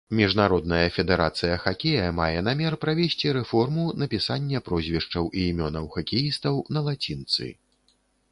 Міжнародная федэрацыя хакея мае намер правесці рэформу напісання прозвішчаў і імёнаў хакеістаў на лацінцы.